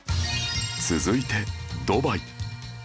続いてドバイ